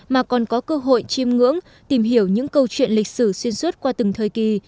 mà còn có cơ hội chiêm ngưỡng tìm hiểu những câu chuyện lịch sử xuyên suốt qua từng thời kỳ